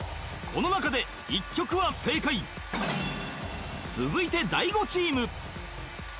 この中で１曲は正解続いて大悟チーム